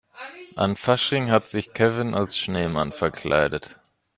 An Fasching hat sich Kevin als Schneemann verkleidet.